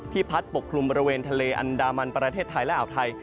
พัดปกคลุมบริเวณทะเลอันดามันประเทศไทยและอ่าวไทย